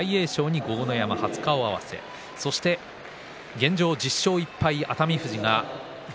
現状、１０勝１敗熱海富士。